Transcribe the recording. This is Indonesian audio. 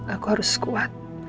aku harus kuat